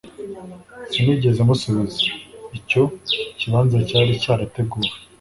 sinigeze musubiza. icyo kibanza cyari cyarateguwe